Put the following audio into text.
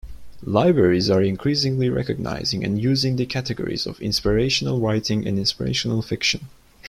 Libraries are increasingly recognizing and using the categories of inspirational writing and inspirational fiction.